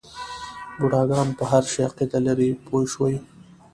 بوډاګان په هر شي عقیده لري پوه شوې!.